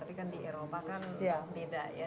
tapi kan di eropa kan beda ya